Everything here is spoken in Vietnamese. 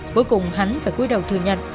cuối cùng hắn phải cuối đầu thừa nhận